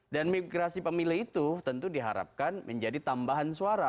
dan migrasi pemilih itu tentu diharapkan menjadi tambahan suara